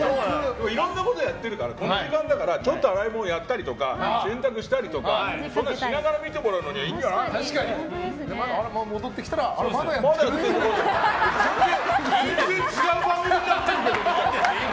いろんなことやってるからちょっと洗い物やったりとか洗濯したりとかそんなしながら見てもらうのにはいいんじゃないの？